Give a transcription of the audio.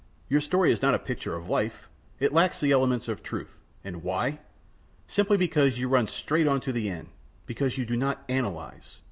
Your story is not a picture of life; it lacks the elements of truth. And why? Simply because you run straight on to the end; because you do not analyze.